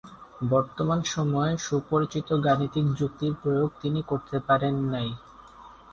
বর্তমান সময়ের সুপরিচিত গাণিতিক যুক্তির প্রয়োগ তিনি করতে পারেন নাই।